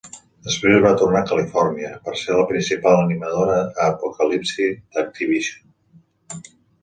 Després va tornar a Califòrnia per ser la principal animadora a "Apocalipsi" d'Activision.